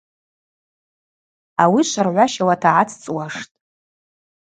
Ауи шваргӏващауата гӏацӏцӏуаштӏ.